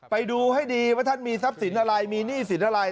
ไปดูให้ดีว่าท่านมีทรัพย์สินอะไรมีหนี้สินอะไร